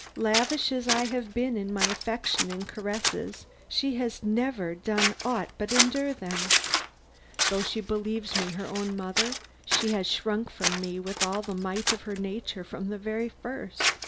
Lavish as I have been in my affection and caresses, she has never done aught but endure them. Though she believes me her own mother, she has shrunk from me with all the might of her nature from the very first.